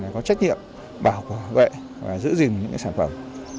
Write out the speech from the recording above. có trách nhiệm bảo vệ và giữ gìn những sản phẩm